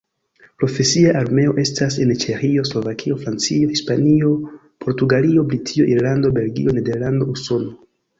Profesia armeo estas en: Ĉeĥio, Slovakio, Francio, Hispanio, Portugalio, Britio, Irlando, Belgio, Nederlando, Usono.